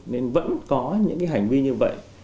nên vẫn có những cái hành vi như vậy